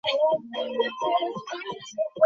দুঃখিত দেখাটা হলো না।